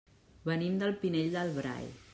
Venim del Pinell de Brai.